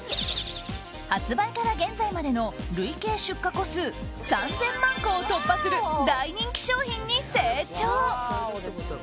発売から現在までの累計出荷個数３０００万個を突破する大人気商品に成長。